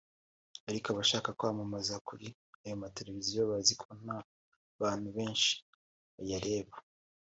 Ariko abashaka kwamamaza kuri ayo mateleviziyo bazi ko nta bantu benshi bayareba